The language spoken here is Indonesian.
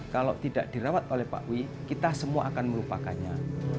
kalau tidak dirawat oleh pak wi kita semua akan melupakannya